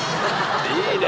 いいね！